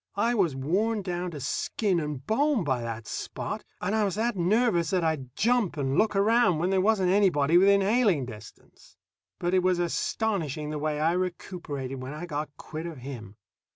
I was worn down to skin and bone by that Spot, and I was that nervous that I'd jump and look around when there wasn't anybody within hailing distance. But it was astonishing the way I recuperated when I got quit of him.